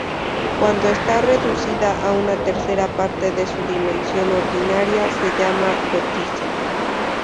Cuando está reducida a una tercera parte de su dimensión ordinaria, se llama "cotiza".